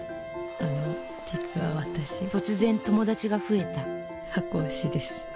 あの実は私突然友達が増えた箱推しです。